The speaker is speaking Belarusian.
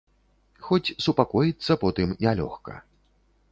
Хоць супакоіцца потым нялёгка.